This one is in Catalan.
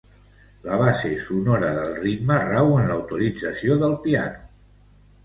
La base sonora del ritme rau en la utilització del piano.